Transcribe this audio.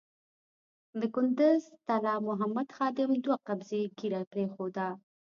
د کندز طلا محمد خادم دوه قبضې ږیره پرېښوده.